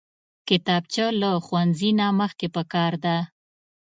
کتابچه له ښوونځي نه مخکې پکار ده